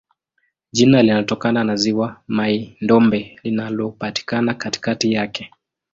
Jina linatokana na ziwa Mai-Ndombe linalopatikana katikati yake.